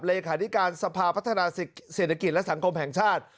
เลขาธิการสภาพัฒนาเศรษฐกิจและสังคมแห่งชาติ